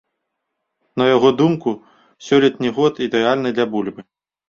На яго думку, сёлетні год ідэальны для бульбы.